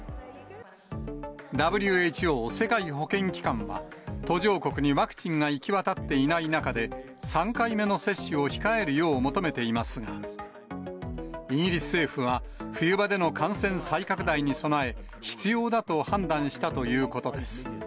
ＷＨＯ・世界保健機関は、途上国にワクチンが行き渡っていない中で、３回目の接種を控えるよう求めていますが、イギリス政府は、冬場での感染再拡大に備え、必要だと判断したということです。